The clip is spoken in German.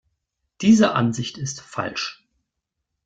Diese Ansicht ist falsch.